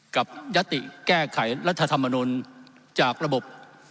ยัตติแก้ไขรัฐธรรมนุนจากระบบ